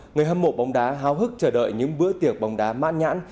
người hâm mộ bóng đá háo hức chờ đợi những bữa tiệc bóng đá mãn nhãn